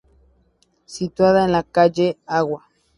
Situada en la Calle Agua.